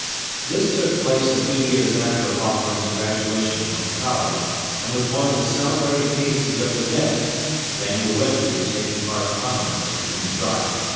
This took place a few years after Hawthorne's graduation from college, and was one of the celebrated cases of the day, Daniel Webster taking part prominently in the trial.